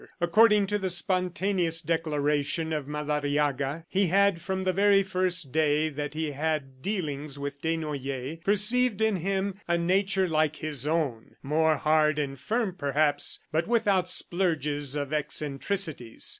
According to the spontaneous declaration of Madariaga, he had, from the very first day that he had dealings with Desnoyers, perceived in him a nature like his own, more hard and firm perhaps, but without splurges of eccentricities.